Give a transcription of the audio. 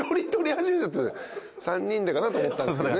３人でかなと思ったんすけどね。